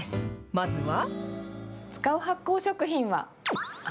まずは。